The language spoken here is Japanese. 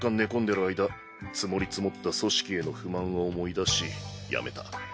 でる間積もり積もった組織への不満を思い出し辞めた。